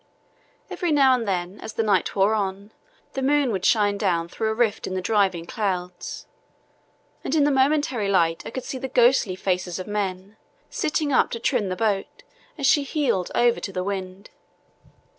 Every now and then, as the night wore on, the moon would shine down through a rift in the driving clouds, and in the momentary light I could see the ghostly faces of men, sitting up to trim the boat as she heeled over to the wind.